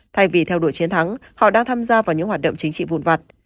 thay vì theo đuổi chiến thắng họ đang tham gia vào những hoạt động chính trị vụn vặt